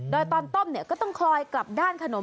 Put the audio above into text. โดยตอนต้มก็ต้องคอยกลับด้านขนม